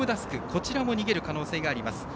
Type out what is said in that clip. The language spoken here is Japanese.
こちらも逃げる可能性があります。